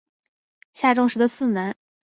下重实的次男。